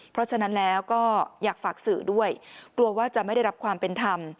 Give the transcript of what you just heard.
เพราะฉะนั้นแล้วก็อยากฝากสื่อด้วยกลัวว่าจะไม่ได้รับความเป็นธรรม